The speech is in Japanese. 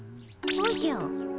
おじゃ。